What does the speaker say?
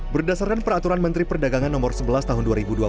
berdasarkan peraturan menteri perdagangan nomor sebelas tahun dua ribu dua puluh